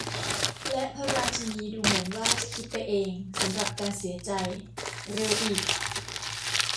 และพระราชินีดูเหมือนว่าจะคิดไปเองสำหรับการเสียใจ เร็วอีก !